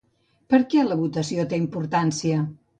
Per què la votació té importància?